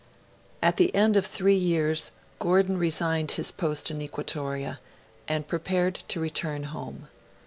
At the end of three years, Gordon resigned his post in Equatoria, and prepared to return home.